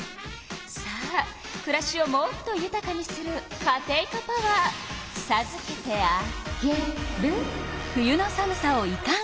さあくらしをもっとゆたかにするカテイカパワーさずけてあげる。